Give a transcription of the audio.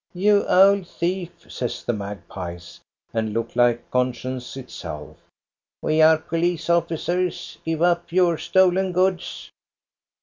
"You old thief!" say the magpies, and look like conscience itself. " We are police officers. Give up your stolen goods